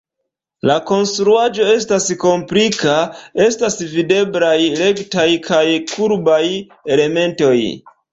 La konstruaĵo estas komplika, estas videblaj rektaj kaj kurbaj elementoj.